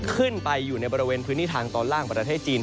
ขึ้นไปอยู่ในบริเวณพื้นที่ทางตอนล่างประเทศจีน